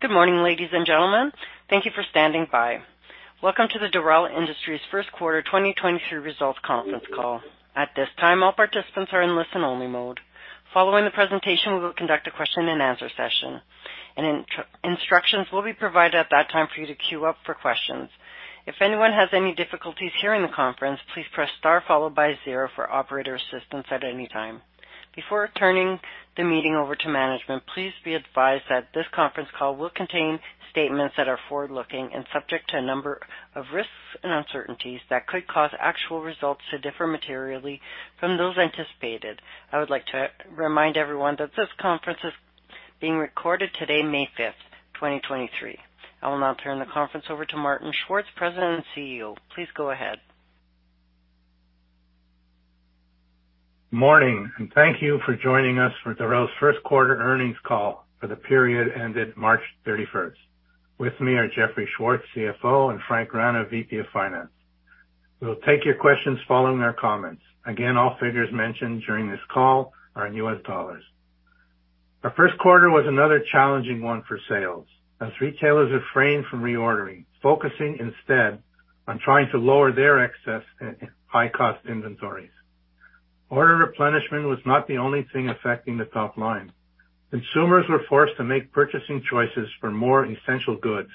Good morning, ladies and gentlemen. Thank you for standing by. Welcome to the Dorel Industries first quarter 2023 results conference call. At this time, all participants are in listen-only mode. Following the presentation, we will conduct a question-and-answer session, and instructions will be provided at that time for you to queue up for questions. If anyone has any difficulties hearing the conference, please press star followed by zero for operator assistance at any time. Before turning the meeting over to management, please be advised that this conference call will contain statements that are forward-looking and subject to a number of risks and uncertainties that could cause actual results to differ materially from those anticipated. I would like to remind everyone that this conference is being recorded today, May 5th, 2023. I will now turn the conference over to Martin Schwartz, President and CEO. Please go ahead. Morning, thank you for joining us for Dorel's first quarter earnings call for the period ended March 31st. With me are Jeffrey Schwartz, CFO, and Frank Rana, VP of Finance. We'll take your questions following our comments. Again, all figures mentioned during this call are in US dollars. Our first quarter was another challenging one for sales as retailers refrained from reordering, focusing instead on trying to lower their excess and high-cost inventories. Order replenishment was not the only thing affecting the top line. Consumers were forced to make purchasing choices for more essential goods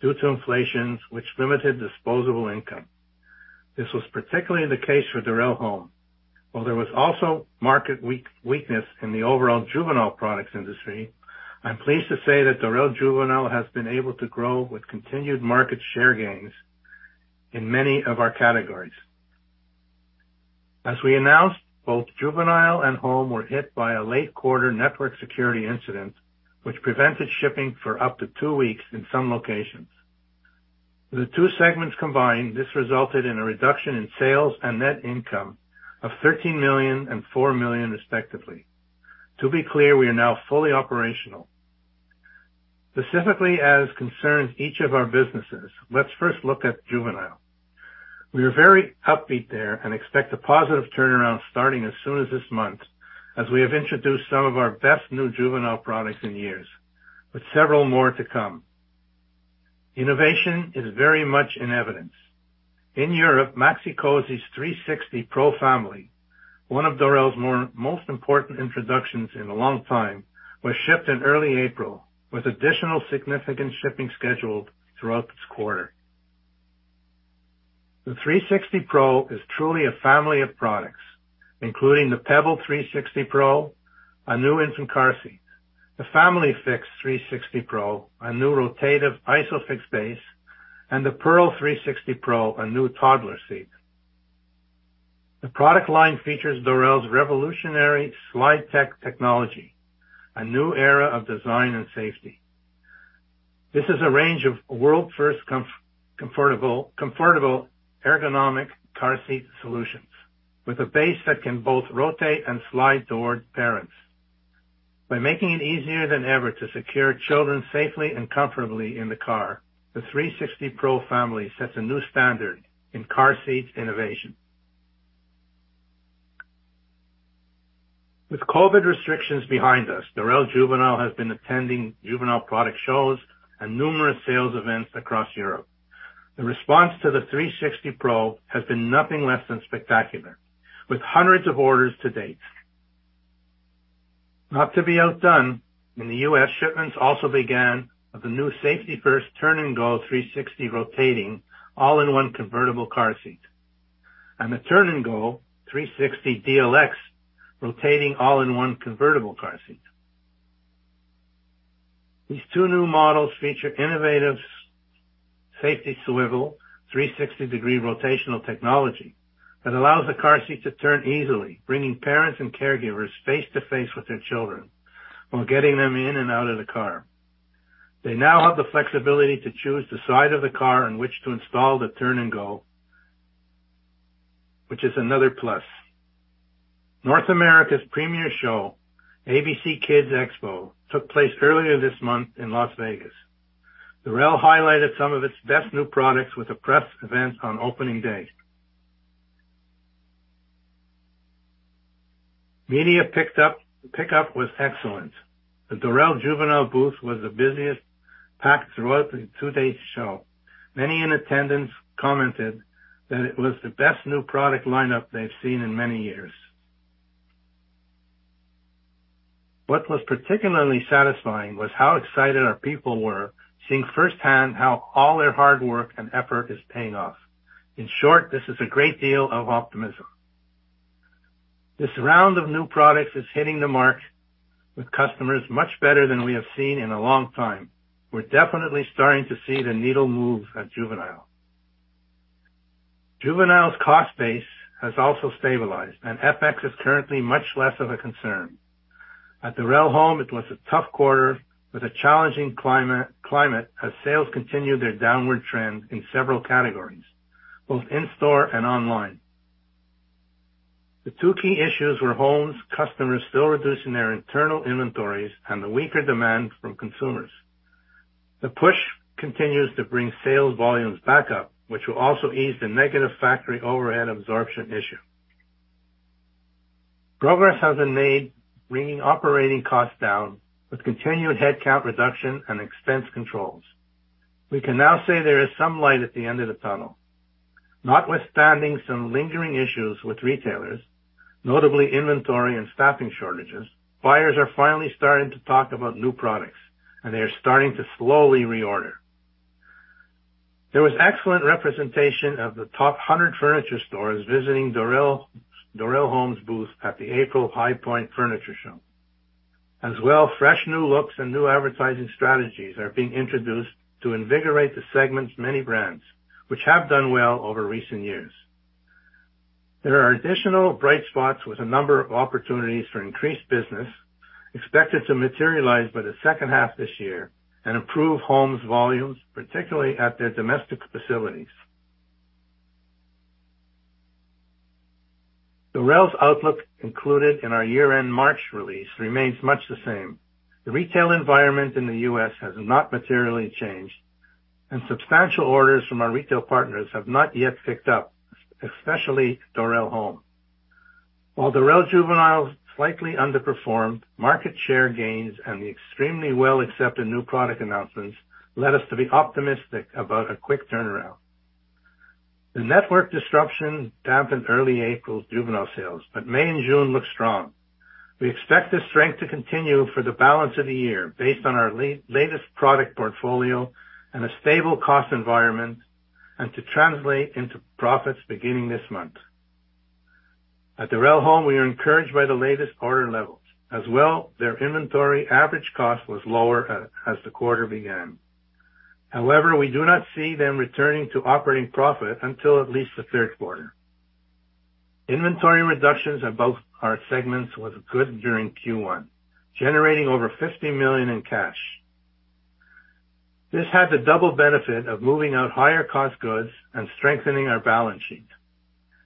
due to inflation, which limited disposable income. This was particularly the case for Dorel Home. While there was also market weakness in the overall juvenile products industry, I'm pleased to say that Dorel Juvenile has been able to grow with continued market share gains in many of our categories. As we announced, both Juvenile and Home were hit by a late quarter network security incident, which prevented shipping for up to two weeks in some locations. The two segments combined, this resulted in a reduction in sales and net income of $13 million and $4 million, respectively. To be clear, we are now fully operational. Specifically, as concerns each of our businesses, let's first look at Juvenile. We are very upbeat there and expect a positive turnaround starting as soon as this month, as we have introduced some of our best new juvenile products in years, with several more to come. Innovation is very much in evidence. In Europe, Maxi-Cosi's 360 Pro Family, one of Dorel's most important introductions in a long time, was shipped in early April, with additional significant shipping scheduled throughout this quarter. The 360 Pro is truly a family of products, including the Pebble 360 Pro, a new infant car seat, the FamilyFix 360 Pro, a new rotative ISOFIX base, and the Pearl 360 Pro, a new toddler seat. The product line features Dorel's revolutionary SlideTech technology, a new era of design and safety. This is a range of world-first comfortable ergonomic car seat solutions with a base that can both rotate and slide toward parents. By making it easier than ever to secure children safely and comfortably in the car, the 360 Pro Family sets a new standard in car seat innovation. With COVID restrictions behind us, Dorel Juvenile has been attending juvenile product shows and numerous sales events across Europe. The response to the 360 Pro has been nothing less than spectacular, with hundreds of orders to date. Not to be outdone, in the U.S., shipments also began of the new Safety 1st Turn and Go 360° rotating all-in-one convertible car seat and the Turn and Go 360 DLX rotating all-in-one convertible car seat. These two new models feature innovative SafetySwivel, 360-degree rotational technology that allows the car seat to turn easily, bringing parents and caregivers face-to-face with their children while getting them in and out of the car. They now have the flexibility to choose the side of the car in which to install the Turn and Go, which is another plus. North America's premier show, ABC Kids Expo, took place earlier this month in Las Vegas. Dorel highlighted some of its best new products with a press event on opening day. Media pickup was excellent. The Dorel Juvenile booth was the busiest pack throughout the two-day show. Many in attendance commented that it was the best new product lineup they've seen in many years. What was particularly satisfying was how excited our people were, seeing firsthand how all their hard work and effort is paying off. In short, this is a great deal of optimism. This round of new products is hitting the mark with customers much better than we have seen in a long time. We're definitely starting to see the needle move at Juvenile. Juvenile's cost base has also stabilized, and FX is currently much less of a concern. At Dorel Home, it was a tough quarter with a challenging climate as sales continued their downward trend in several categories, both in-store and online. The two key issues were homes, customers still reducing their internal inventories and the weaker demand from consumers. The push continues to bring sales volumes back up, which will also ease the negative factory overhead absorption issue. Progress has been made bringing operating costs down with continued headcount reduction and expense controls. We can now say there is some light at the end of the tunnel. Notwithstanding some lingering issues with retailers, notably inventory and staffing shortages, buyers are finally starting to talk about new products, and they are starting to slowly reorder. There was excellent representation of the top 100 furniture stores visiting Dorel Home's booth at the April High Point Market. Fresh new looks and new advertising strategies are being introduced to invigorate the segment's many brands, which have done well over recent years. There are additional bright spots with a number of opportunities for increased business expected to materialize by the second half of this year and improve homes volumes, particularly at their domestic facilities. Dorel's outlook included in our year-end March release remains much the same. The retail environment in the U.S. has not materially changed, and substantial orders from our retail partners have not yet picked up, especially Dorel Home. While Dorel Juvenile slightly underperformed, market share gains and the extremely well-accepted new product announcements led us to be optimistic about a quick turnaround. The network disruption dampened early April juvenile sales, but May and June look strong. We expect this strength to continue for the balance of the year based on our latest product portfolio and a stable cost environment, and to translate into profits beginning this month. At Dorel Home, we are encouraged by the latest order levels. Their inventory average cost was lower as the quarter began. We do not see them returning to operating profit until at least the third quarter. Inventory reductions in both our segments was good during Q1, generating over $50 million in cash. This had the double benefit of moving out higher cost goods and strengthening our balance sheet.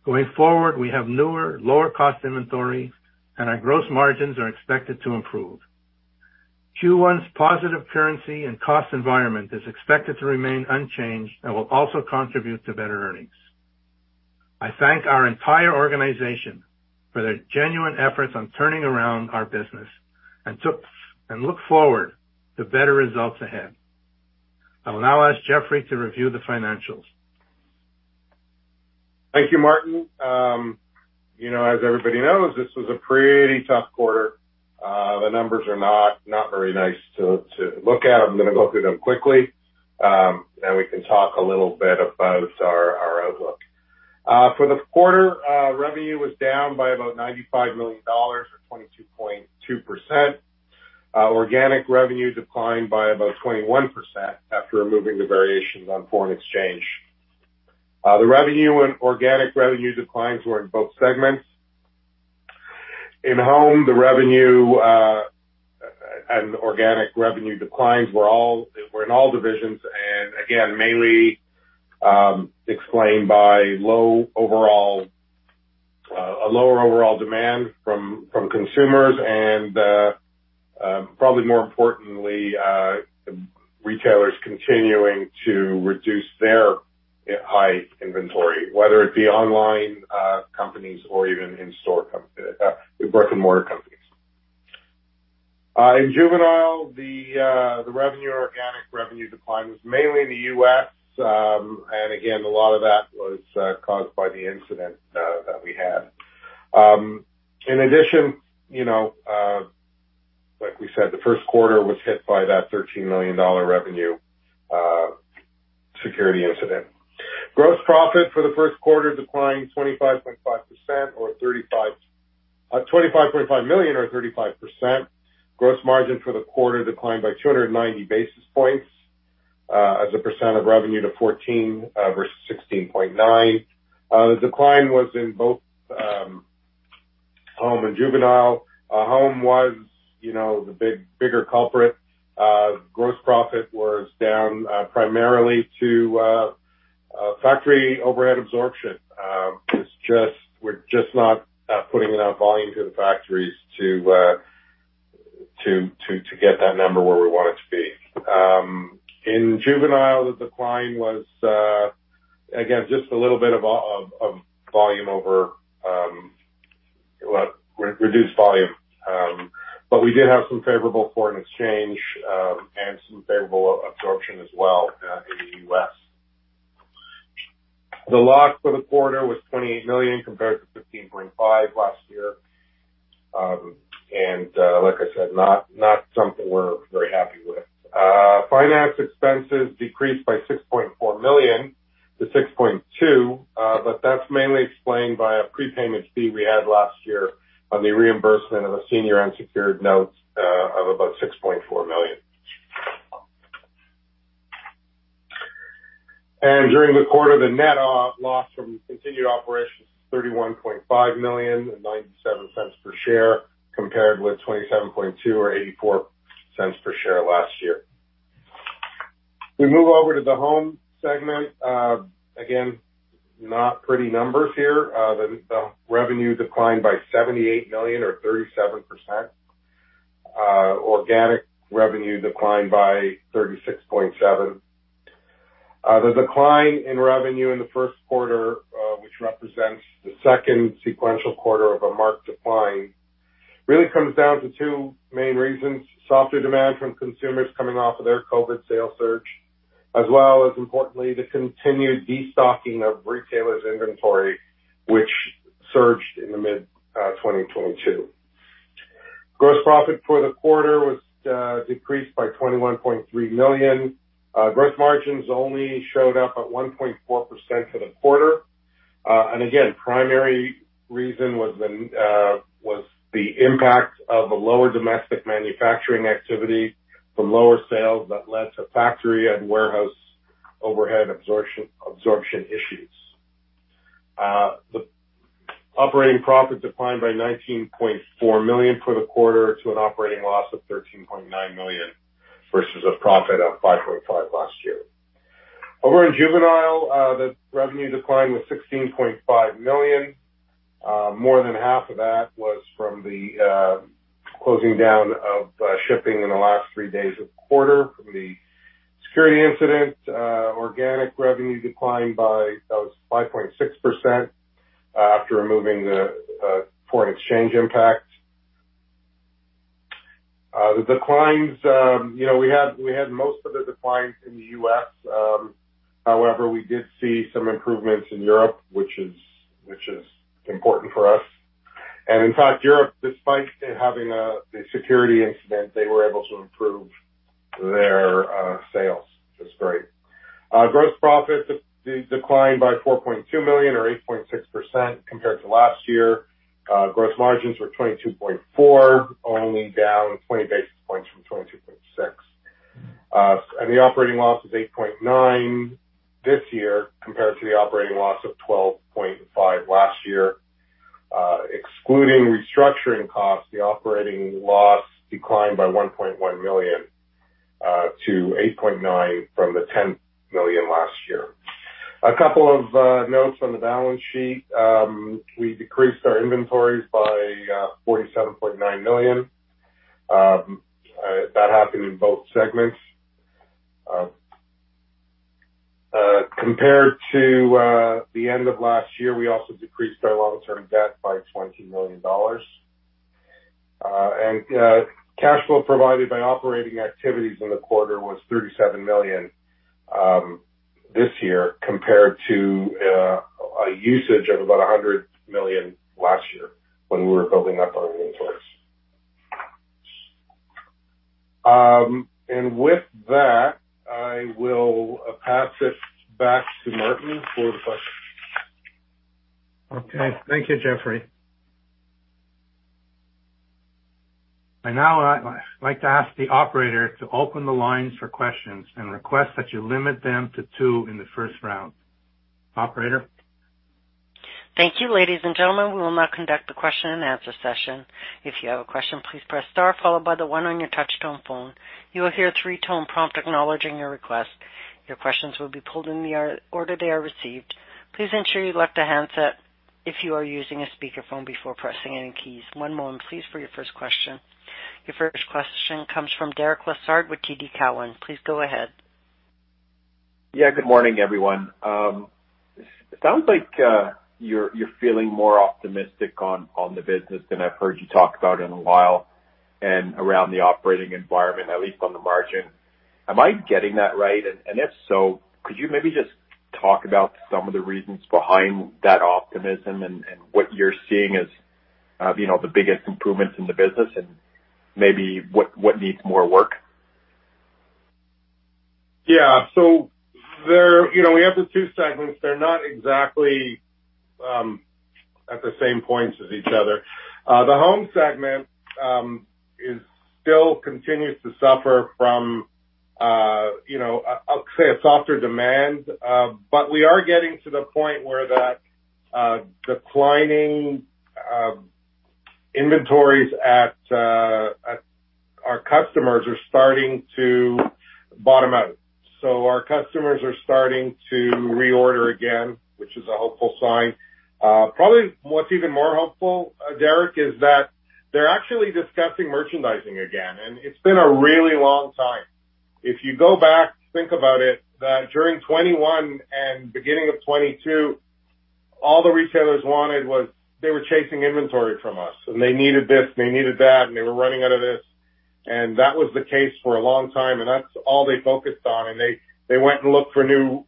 Going forward, we have newer, lower cost inventory, and our gross margins are expected to improve. Q1's positive currency and cost environment is expected to remain unchanged and will also contribute to better earnings. I thank our entire organization for their genuine efforts on turning around our business and look forward to better results ahead. I will now ask Jeffrey to review the financials. Thank you, Martin. You know, as everybody knows, this was a pretty tough quarter. The numbers are not very nice to look at. I'm gonna go through them quickly, and we can talk a little bit about our outlook. For the quarter, revenue was down by about $95 million or 22.2%. Organic revenue declined by about 21% after removing the variations on foreign exchange. The revenue and organic revenue declines were in both segments. In Home, the revenue and organic revenue declines were in all divisions and again, mainly explained by low overall, a lower overall demand from consumers and, probably more importantly, retailers continuing to reduce their high inventory, whether it be online companies or even in-store brick-and-mortar companies. In Juvenile, the revenue, organic revenue decline was mainly in the U.S., and again, a lot of that was caused by the incident that we had. In addition, you know, like we said, the first quarter was hit by that $13 million revenue security incident. Gross profit for the first quarter declined 25.5% or $25.5 million or 35%. Gross margin for the quarter declined by 290 basis points as a percent of revenue to 14% versus 16.9%. The decline was in both Home and Juvenile. Home was, you know, the bigger culprit. Gross profit was down primarily to factory overhead absorption. It's just, we're just not putting enough volume to the factories to get that number where we want it to be. In Juvenile, the decline was again, just a little bit of volume over, well, reduced volume. We did have some favorable foreign exchange, and some favorable absorption as well, in the U.S. The loss for the quarter was $28 million compared to $15.5 million last year. Like I said, not something we're very happy with. Finance expenses decreased by $6.4 million to $6.2 million, but that's mainly explained by a prepayment fee we had last year on the reimbursement of a senior unsecured note of about $6.4 million. During the quarter, the net loss from continued operations, $31.5 million and $0.97 per share, compared with $27.2 or $0.84 per share last year. We move over to the Home segment. Again, not pretty numbers here. The revenue declined by $78 million or 37%. Organic revenue declined by 36.7%. The decline in revenue in the first quarter, which represents the second sequential quarter of a marked decline, really comes down to two main reasons. Softer demand from consumers coming off of their COVID sales surge, as well as importantly, the continued destocking of retailers inventory, which surged in the mid-2022. Gross profit for the quarter was decreased by $21.3 million. Gross margins only showed up at 1.4% for the quarter. Again, primary reason was the impact of a lower domestic manufacturing activity from lower sales that led to factory and warehouse overhead absorption issues. The operating profit declined by $19.4 million for the quarter to an operating loss of $13.9 million, versus a profit of $5.5 million last year. Over in Juvenile, the revenue decline was $16.5 million. More than half of that was from the closing down of shipping in the last three days of the quarter from the security incident. Organic revenue declined by 5.6% after removing the foreign exchange impact. The declines, you know, we had most of the declines in the U.S. However, we did see some improvements in Europe, which is important for us. In fact, Europe, despite having the security incident, they were able to improve their sales, which is great. Gross profit declined by $4.2 million or 8.6% compared to last year. Gross margins were 22.4%, only down 20 basis points from 22.6%. The operating loss is $8.9 million this year compared to the operating loss of $12.5 million last year. Excluding restructuring costs, the operating loss declined by $1.1 million to $8.9 million from the $10 million last year. A couple of notes on the balance sheet. We decreased our inventories by $47.9 million. That happened in both segments. Compared to the end of last year, we also decreased our long-term debt by $20 million. Cash flow provided by operating activities in the quarter was $37 million this year, compared to a usage of about $100 million last year when we were building up our inventories. With that, I will pass it back to Martin for the questions. Okay. Thank you, Jeffrey. Now I'd like to ask the operator to open the lines for questions and request that you limit them to two in the first round. Operator? Thank you, ladies and gentlemen. We will now conduct a question and answer session. If you have a question, please press star followed by the one on your touch-tone phone. You will hear a three-tone prompt acknowledging your request. Your questions will be pulled in the order they are received. Please ensure you left the handset if you are using a speakerphone before pressing any keys. One moment, please, for your first question. Your first question comes from Derek Lessard with TD Cowen. Please go ahead. Yeah, good morning, everyone. It sounds like you're feeling more optimistic on the business than I've heard you talk about in a while and around the operating environment, at least on the margin. Am I getting that right? If so, could you maybe just talk about some of the reasons behind that optimism and what you're seeing as, you know, the biggest improvements in the business and maybe what needs more work? Yeah. You know, we have the two segments. They're not exactly at the same points as each other. The Home segment is still continues to suffer from, you know, I'll say a softer demand. We are getting to the point where that declining inventories at our customers are starting to bottom out. Our customers are starting to reorder again, which is a hopeful sign. Probably what's even more hopeful, Derek, is that they're actually discussing merchandising again, and it's been a really long time. If you go back, think about it, that during 2021 and beginning of 2022, all the retailers wanted was they were chasing inventory from us, and they needed this, they needed that, and they were running out of this. That was the case for a long time, and that's all they focused on. They went and looked for new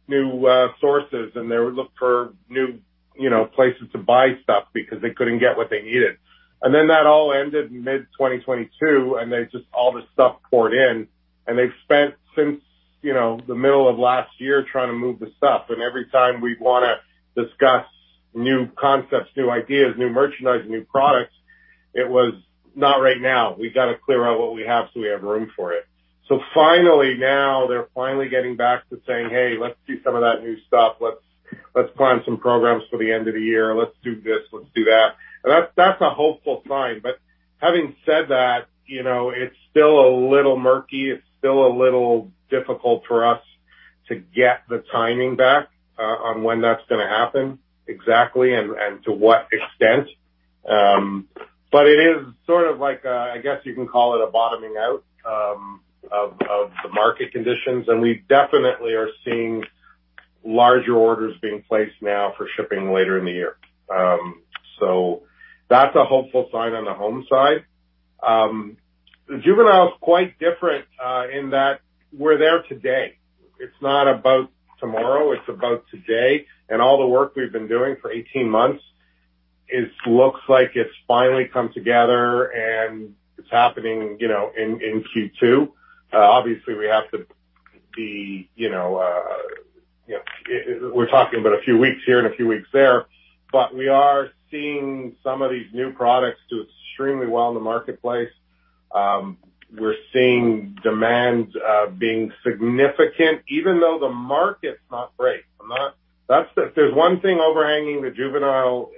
sources, and they would look for new, you know, places to buy stuff because they couldn't get what they needed. Then that all ended mid-2022, and they just all the stuff poured in. They've spent since, you know, the middle of last year trying to move the stuff. Every time we'd wanna discuss new concepts, new ideas, new merchandise, new products, it was, "Not right now. We got to clear out what we have so we have room for it." Finally now they're finally getting back to saying, "Hey, let's do some of that new stuff. Let's plan some programs for the end of the year. Let's do this. Let's do that." That's a hopeful sign. Having said that, you know, it's still a little murky. It's still a little difficult for us to get the timing back on when that's gonna happen exactly and to what extent. It is sort of like, I guess you can call it a bottoming out of the market conditions. We definitely are seeing larger orders being placed now for shipping later in the year. That's a hopeful sign on the home side. The juvenile is quite different in that we're there today. It's not about tomorrow, it's about today. All the work we've been doing for 18 months, it looks like it's finally come together, and it's happening, you know, in Q2. We're talking about a few weeks here and a few weeks there. We are seeing some of these new products do extremely well in the marketplace. We're seeing demand being significant even though the market's not great. There's one thing overhanging the juvenile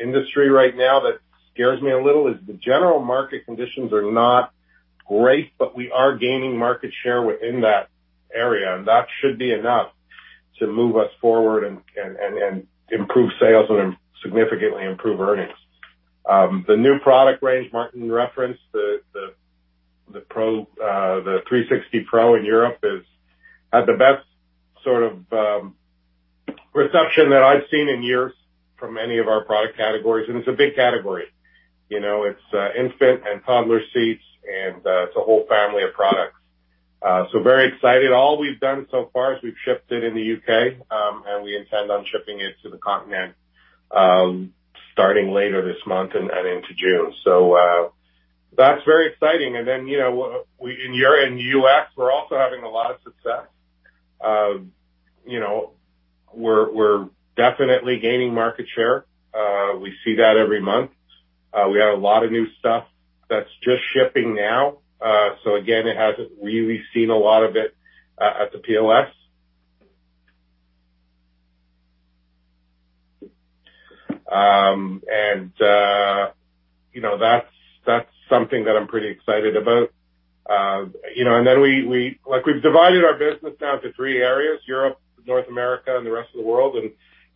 industry right now that scares me a little, is the general market conditions are not great. We are gaining market share within that area, and that should be enough to move us forward and improve sales and significantly improve earnings. The new product range Martin referenced, the Pro, the 360 Pro in Europe has had the best sort of reception that I've seen in years from any of our product categories, and it's a big category. You know, it's infant and toddler seats and it's a whole family of products. Very excited. All we've done so far is we've shipped it in the U.K., and we intend on shipping it to the continent, starting later this month and into June. That's very exciting. You know, in Europe and U.S., we're also having a lot of success. You know, we're definitely gaining market share. We see that every month. We have a lot of new stuff that's just shipping now. Again, it hasn't really seen a lot of it at the POS. You know, that's something that I'm pretty excited about. You know, we... Like, we've divided our business down to three areas, Europe, North America, and the rest of the world.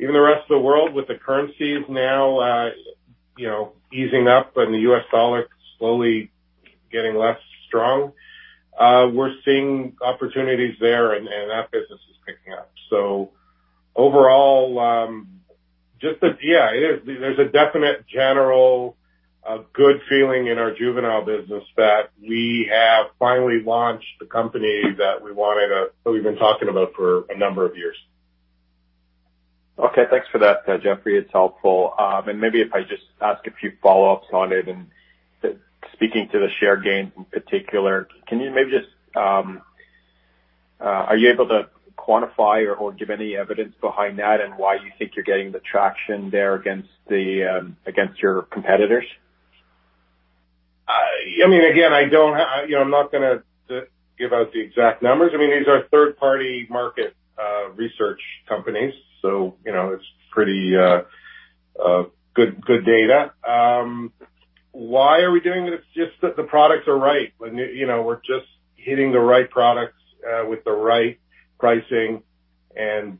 Even the rest of the world with the currencies now, you know, easing up and the US dollar slowly getting less strong, we're seeing opportunities there and that business is picking up. Overall, Yeah, it is. There's a definite general good feeling in our juvenile business that we have finally launched the company that we've been talking about for a number of years. Okay. Thanks for that, Jeffrey. It's helpful. Maybe if I just ask a few follow-ups on it and speaking to the share gain in particular, can you maybe just, are you able to quantify or give any evidence behind that and why you think you're getting the traction there against your competitors? I mean, again, I don't have... You know, I'm not gonna give out the exact numbers. These are third-party market research companies, so you know, it's pretty good data. Why are we doing it? It's just that the products are right. You know, we're just hitting the right products with the right pricing and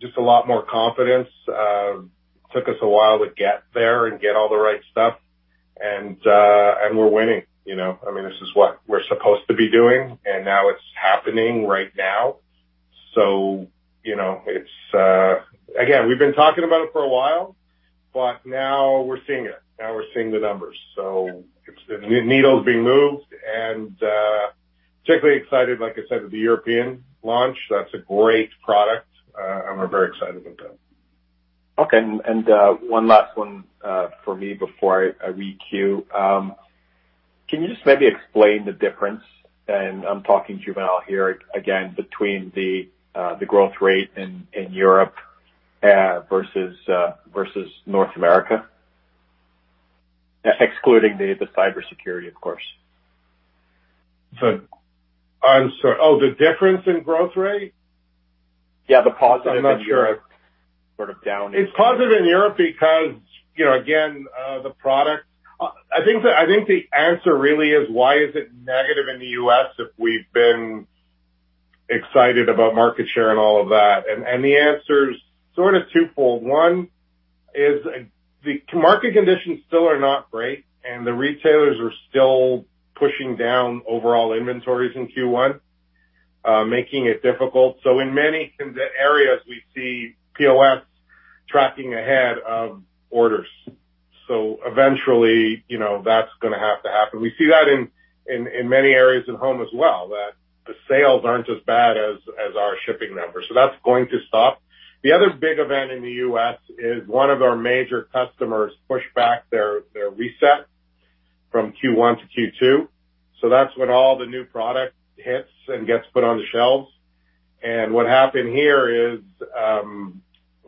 just a lot more confidence. Took us a while to get there and get all the right stuff. We're winning, you know. I mean, this is what we're supposed to be doing, and now it's happening right now. You know, it's... Again, we've been talking about it for a while, but now we're seeing it. Now we're seeing the numbers. Needles being moved. Particularly excited, like I said, with the European launch. That's a great product. We're very excited about that. Okay. One last one for me before I re-queue. Can you just maybe explain the difference, and I'm talking juvenile here again, between the growth rate in Europe versus North America? Excluding the cybersecurity, of course. I'm sorry. Oh, the difference in growth rate? Yeah. I'm not sure. in Europe sort of down It's positive in Europe because, you know, again, the answer really is why is it negative in the U.S. if we've been excited about market share and all of that? The answer is sort of twofold. One is the market conditions still are not great, and the retailers are still pushing down overall inventories in Q1, making it difficult. In many areas, we see POS tracking ahead of orders. Eventually, you know, that's gonna have to happen. We see that in many areas in home as well, that the sales aren't as bad as our shipping numbers. That's going to stop. The other big event in the U.S. is one of our major customers pushed back their reset from Q1 to Q2. That's when all the new product hits and gets put on the shelves. What happened here is,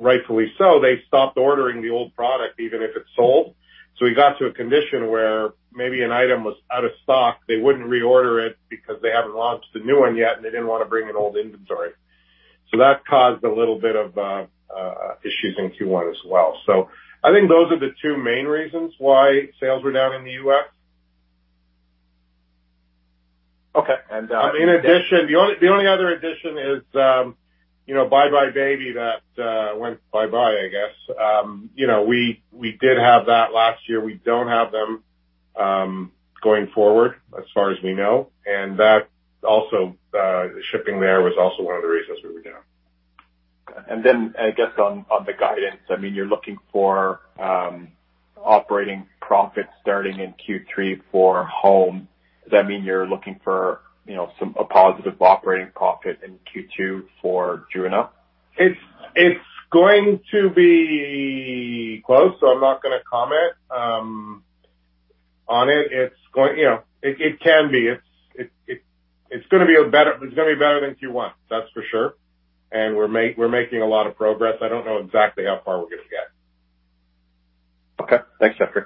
rightfully so, they stopped ordering the old product even if it's sold. We got to a condition where maybe an item was out of stock, they wouldn't reorder it because they haven't launched the new one yet, and they didn't wanna bring an old inventory. That caused a little bit of issues in Q1 as well. I think those are the two main reasons why sales were down in the U.S.. Okay. In addition, the only other addition is, you know, Buy Buy Baby that went bye-bye, I guess. You know, we did have that last year. We don't have them going forward as far as we know. That also shipping there was also one of the reasons we were down. I guess on the guidance, I mean, you're looking for operating profits starting in Q3 for Home. Does that mean you're looking for, you know, a positive operating profit in Q2 for Dorel Juvenile? It's going to be close, so I'm not gonna comment on it. You know, it can be. It's gonna be better than Q1, that's for sure. We're making a lot of progress. I don't know exactly how far we're gonna get. Okay. Thanks, Jeffrey.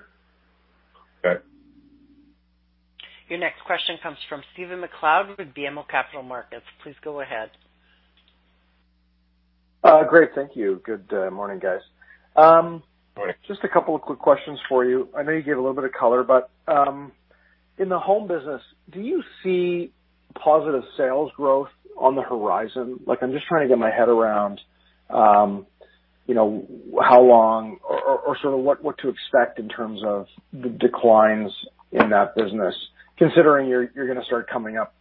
Okay. Your next question comes from Stephen MacLeod with BMO Capital Markets. Please go ahead. Great. Thank you. Good morning, guys. Morning. Just a couple of quick questions for you. I know you gave a little bit of color, but in the Home business, do you see positive sales growth on the horizon? Like, I'm just trying to get my head around, you know, how long or sort of what to expect in terms of the declines in that business, considering you're gonna start coming up.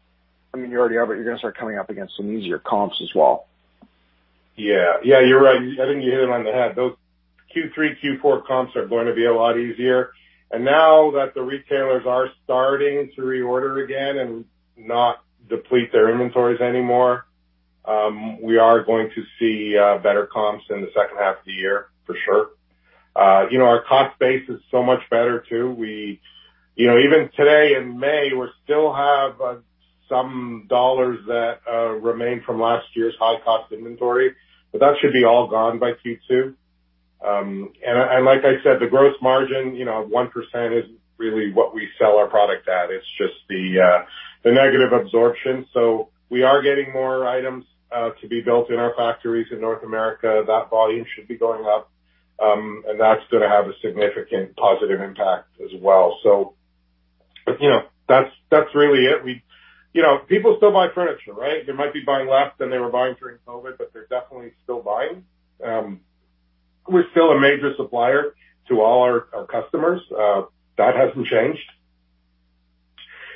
I mean, you already are, but you're gonna start coming up against some easier comps as well. Yeah. Yeah, you're right. I think you hit it on the head. Those Q3, Q4 comps are going to be a lot easier. Now that the retailers are starting to reorder again and not deplete their inventories anymore, we are going to see better comps in the second half of the year for sure. You know, our cost base is so much better, too. You know, even today in May, we still have some dollars that remain from last year's high-cost inventory, but that should be all gone by Q2. Like I said, the gross margin, you know, 1% isn't really what we sell our product at. It's just the negative absorption. We are getting more items to be built in our factories in North America. That volume should be going up, and that's gonna have a significant positive impact as well. You know, that's really it. You know, people still buy furniture, right? They might be buying less than they were buying during COVID, but they're definitely still buying. We're still a major supplier to all our customers. That hasn't changed.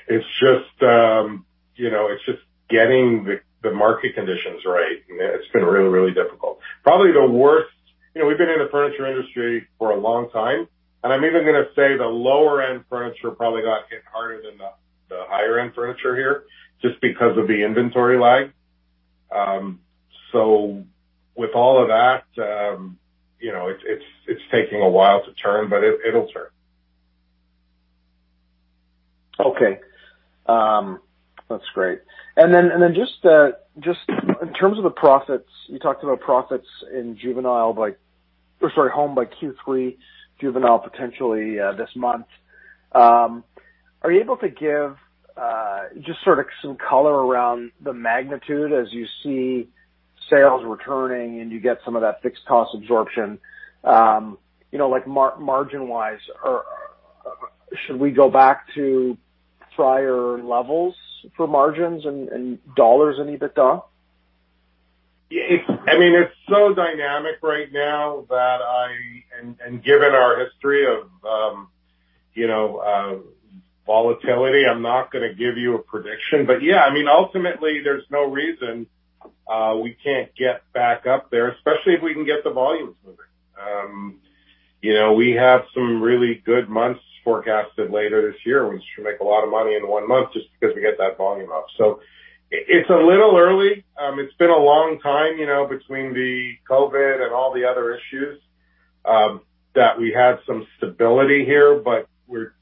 It's just, you know, it's just getting the market conditions right. It's been really, really difficult. Probably the worst. You know, we've been in the furniture industry for a long time, and I'm even gonna say the lower-end furniture probably got hit harder than the higher-end furniture here just because of the inventory lag. With all of that, you know, it's taking a while to turn, but it'll turn. Okay. That's great. Just in terms of the profits, you talked about profits in Juvenile. Or sorry, Home by Q3, Juvenile potentially this month. Are you able to give just sort of some color around the magnitude as you see sales returning and you get some of that fixed cost absorption? You know, like margin-wise, or should we go back to prior levels for margins and dollars in EBITDA? I mean, it's so dynamic right now that given our history of, you know, volatility, I'm not gonna give you a prediction. Yeah, I mean, ultimately, there's no reason we can't get back up there, especially if we can get the volumes moving. You know, we have some really good months forecasted later this year. We should make a lot of money in one month just because we get that volume up. It's a little early. It's been a long time, you know, between the COVID and all the other issues that we had some stability here, but we're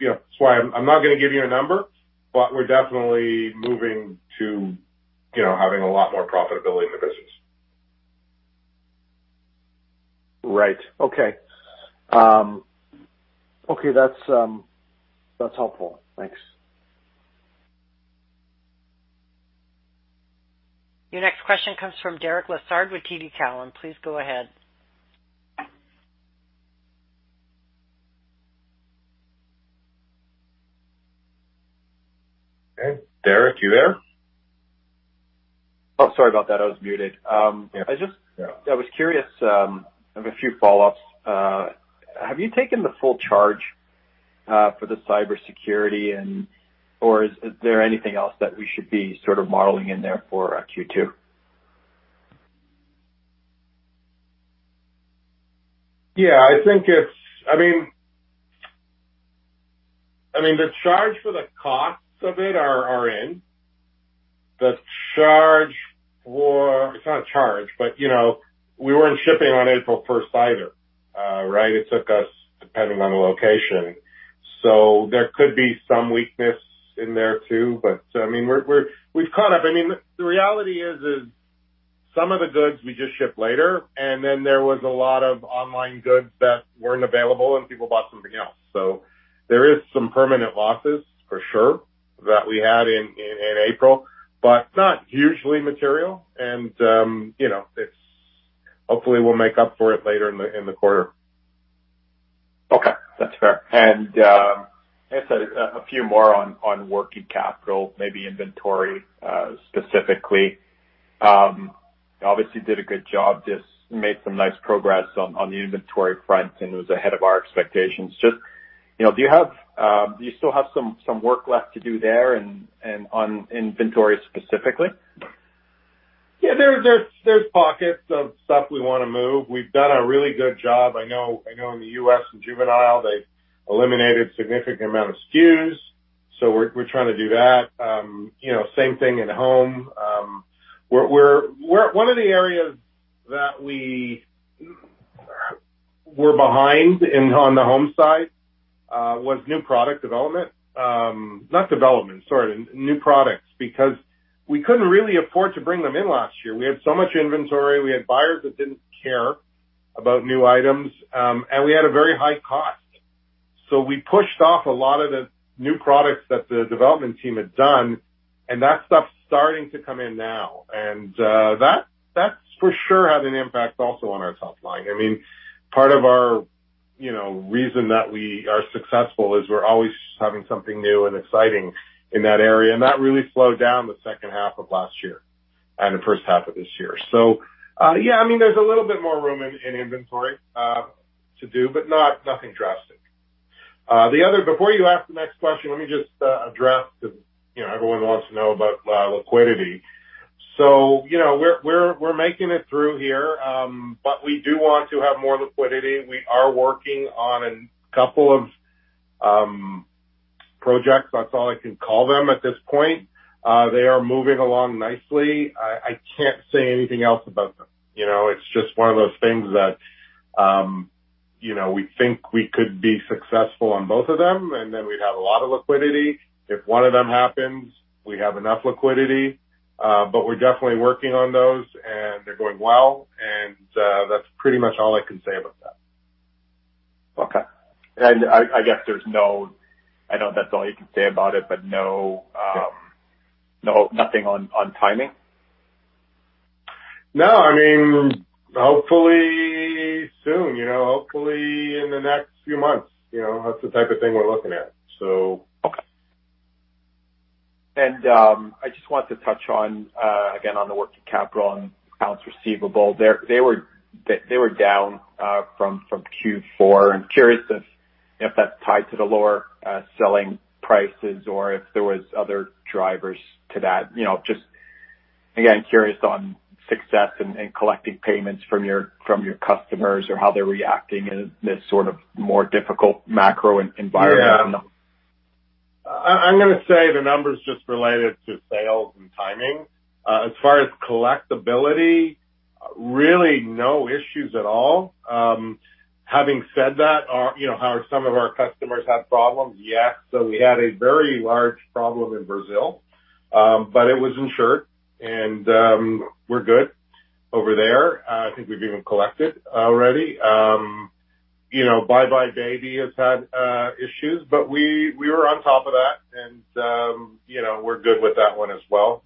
You know, that's why I'm not gonna give you a number, but we're definitely moving to, you know, having a lot more profitability in the business. Right. Okay. Okay, that's helpful. Thanks. Your next question comes from Derek Lessard with TD Cowen. Please go ahead. Derek, you there? Oh, sorry about that. I was muted. Yeah. I was curious, I have a few follow-ups. Have you taken the full charge for the cybersecurity or is there anything else that we should be sort of modeling in there for Q2? Yeah, I think it's. I mean, the charge for the costs of it are in. The charge for. It's not a charge, but you know, we weren't shipping on April first either. Right? It took us depending on the location. There could be some weakness in there, too. I mean, We've caught up. I mean, the reality is some of the goods we just shipped later, there was a lot of online goods that weren't available and people bought something else. There is some permanent losses for sure that we had in April, but not hugely material and, you know, it's. Hopefully, we'll make up for it later in the quarter. That's fair. I guess a few more on working capital, maybe inventory specifically. Obviously did a good job, just made some nice progress on the inventory front and it was ahead of our expectations. Just, you know, do you have do you still have some work left to do there and on inventory specifically? Yeah. There's pockets of stuff we wanna move. We've done a really good job. I know in the U.S. in Juvenile, they've eliminated significant amount of SKUs. We're trying to do that. You know, same thing in Home. One of the areas that we were behind in, on the Home side, was new product development. Not development, sorry, new products, because we couldn't really afford to bring them in last year. We had so much inventory. We had buyers that didn't care about new items, and we had a very high cost. We pushed off a lot of the new products that the development team had done, and that stuff's starting to come in now. That's for sure had an impact also on our top line. I mean, part of our, you know, reason that we are successful is we're always having something new and exciting in that area, and that really slowed down the second half of last year and the first half of this year. Yeah, I mean, there's a little bit more room in inventory to do, but nothing drastic. Before you ask the next question, let me just address the, you know, everyone wants to know about liquidity. You know, we're, we're making it through here, but we do want to have more liquidity. We are working on a couple of projects. That's all I can call them at this point. They are moving along nicely. I can't say anything else about them. You know, it's just one of those things that, you know, we think we could be successful on both of them, and then we'd have a lot of liquidity. If one of them happens, we have enough liquidity. We're definitely working on those, and they're going well, and that's pretty much all I can say about that. Okay. I know that's all you can say about it, no. Yeah. nothing on timing? No. I mean, hopefully soon, you know. Hopefully in the next few months. You know, that's the type of thing we're looking at, so. Okay. I just wanted to touch on, again, on the working capital and accounts receivable. They were down from Q4. I'm curious if that's tied to the lower selling prices or if there was other drivers to that. You know, just, again, curious on success and collecting payments from your customers or how they're reacting in this sort of more difficult macro environment. I'm gonna say the numbers just related to sales and timing. As far as collectibility, really no issues at all. Having said that, have some of our customers had problems? Yes. We had a very large problem in Brazil, but it was insured and we're good over there. I think we've even collected already. Buy Buy Baby has had issues, but we were on top of that and we're good with that one as well.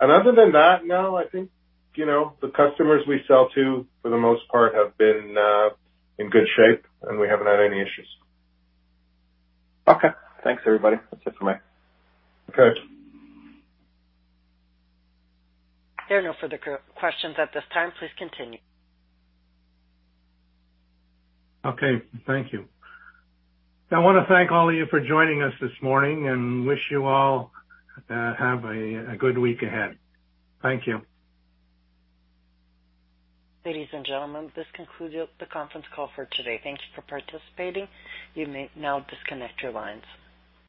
Other than that, no, I think, you know, the customers we sell to, for the most part, have been in good shape, and we haven't had any issues. Okay. Thanks, everybody. That's it for me. Okay. There are no further questions at this time. Please continue. Okay. Thank you. I wanna thank all of you for joining us this morning and wish you all have a good week ahead. Thank you. Ladies and gentlemen, this concludes the conference call for today. Thank you for participating. You may now disconnect your lines.